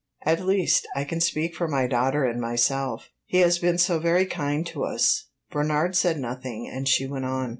At least, I can speak for my daughter and myself. He has been so very kind to us." Bernard said nothing, and she went on.